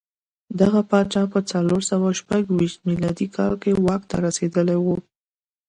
دغه پاچا په څلور سوه شپږ ویشت میلادي کال کې واک ته رسېدلی و.